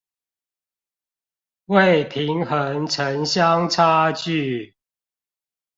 為平衡城鄉差距